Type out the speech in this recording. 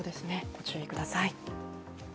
ご注意ください。